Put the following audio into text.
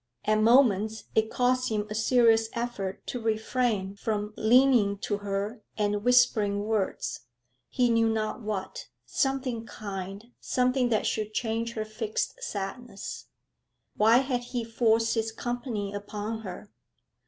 At moments it cost him a serious effort to refrain from leaning to her and whispering words he knew not what something kind, something that should change her fixed sadness. Why had he forced his company upon her?